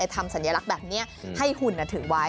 สัญลักษณ์แบบนี้ให้หุ่นถือไว้